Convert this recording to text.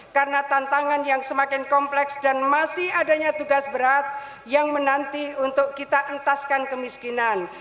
karena tantangan yang semakin kompleks dan masih adanya tugas berat yang menanti untuk kita entaskan kemiskinan